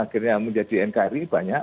akhirnya menjadi nkri banyak